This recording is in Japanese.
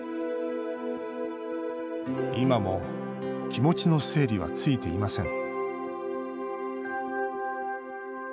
今も、気持ちの整理はついていません